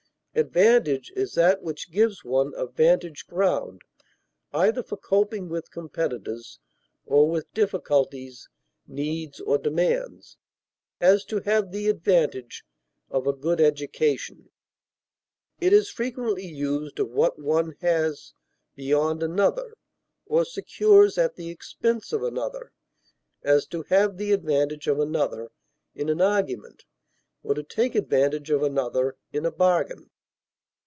Advantage is that which gives one a vantage ground, either for coping with competitors or with difficulties, needs, or demands; as to have the advantage of a good education; it is frequently used of what one has beyond another or secures at the expense of another; as, to have the advantage of another in an argument, or to take advantage of another in a bargain.